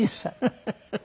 フフフフ！